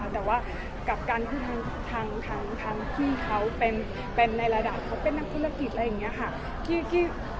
แต่ว่ากับการที่ทางพี่เขาเป็นในระดับเขาเป็นนักธุรกิจอะไรอย่างนี้ค่ะ